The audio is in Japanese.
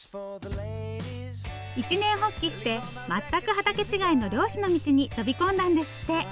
一念発起して全く畑違いの漁師の道に飛び込んだんですって。